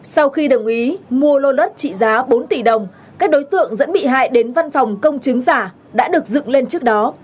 sau khi đồng ý mua lô đất trị giá bốn tỷ đồng các đối tượng dẫn bị hại đến văn phòng công chứng giả đã được dựng lên trước đó